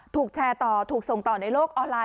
ถูกแชร์ต่อถูกส่งต่อในโลกออนไลน